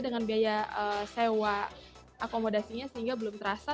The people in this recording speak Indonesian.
dengan biaya sewa akomodasinya sehingga belum terasa